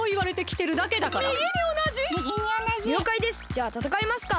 じゃあたたかいますか！